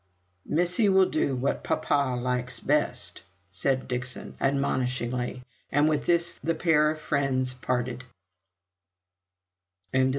"Missy will do what papa likes best," said Dixon, admonishingly; and with this the pair of "friends" parted, CHAPTER IV.